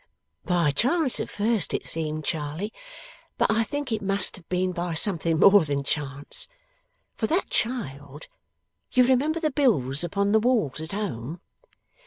'By chance at first, as it seemed, Charley. But I think it must have been by something more than chance, for that child You remember the bills upon the walls at home?